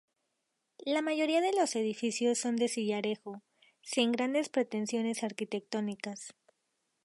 La mayoría de los edificios son de sillarejo, sin grandes pretensiones arquitectónicas.